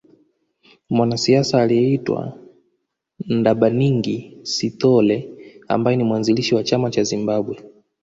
Mwanasiasa aliyeitwa Ndabaningi Sithole ambaye ni mwanzilishi wa chama cha Zimbabwe